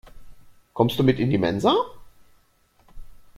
Kommst du mit in die Mensa?